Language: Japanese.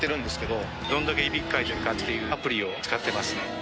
どんだけいびきかいてるかっていうアプリを使ってます。